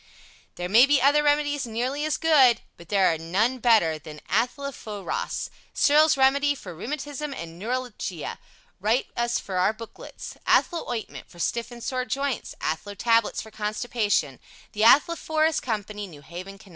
There may be other Remedies nearly as good, but there are none better than ATH LO PHO ROS Searles' Remedy for Rheumatism and Neuralgia Write us for Our Booklets ATHLO OINTMENT for Stiff and Sore Joints ATHLO TABLETS for Constipation THE ATHLOPHOROS COMPANY New Haven, Conn.